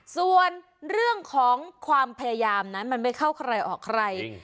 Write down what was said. ส่วนเรื่องของความพยายามนั้นมันไม่เข้าใครออกใคร